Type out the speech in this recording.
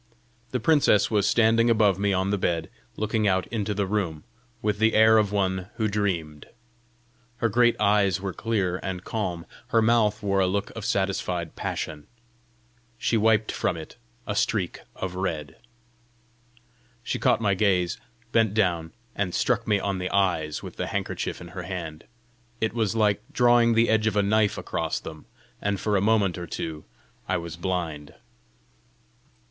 The princess was standing above me on the bed, looking out into the room, with the air of one who dreamed. Her great eyes were clear and calm. Her mouth wore a look of satisfied passion; she wiped from it a streak of red. She caught my gaze, bent down, and struck me on the eyes with the handkerchief in her hand: it was like drawing the edge of a knife across them, and for a moment or two I was blind.